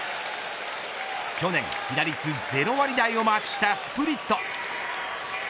去年被打率０割台をマークしたスプリット。